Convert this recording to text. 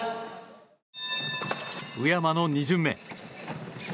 宇山の２巡目。